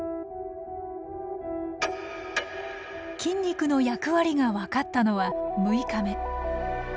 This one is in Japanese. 筋肉の役割が分かったのは６日目。